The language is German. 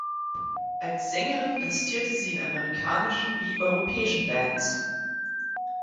Als Sängerin gastierte sie in amerikanischen wie europäischen Bands.